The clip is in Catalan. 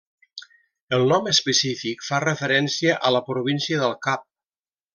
El nom específic fa referència a la Província del Cap.